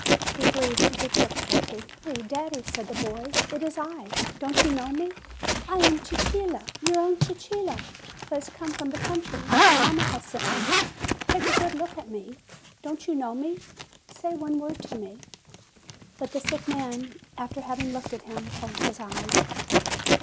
He breathed with difficulty. "Daddy! daddy!" said the boy, "it is I; don't you know me? I am Cicillo, your own Cicillo, who has 134 FEBRUARY come from the country: mamma has sent me. Take a good look at me; don't you know me? Say one word to me." But the sick man, after having looked at him, closed his eyes.